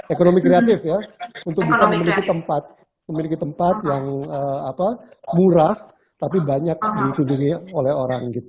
ekonomi kreatif ya untuk bisa memiliki tempat yang murah tapi banyak ditunjukin oleh orang gitu